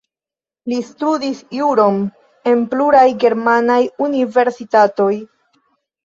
Li studis juron en pluraj germanaj universitatoj.